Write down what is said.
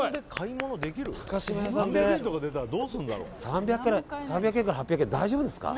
高島屋さんで３００円から８００円、大丈夫ですか？